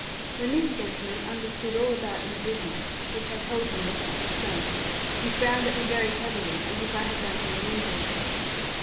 When this gentleman understood all about my business (which I told him without complaint) he frowned at me very heavily, as if I had done him an injury.